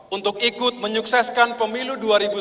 untuk ikut menyukseskan pemilu dua ribu sembilan belas